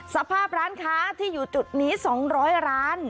สภาพร้านค้าที่อยู่จุดนี้๒๐๐ร้าน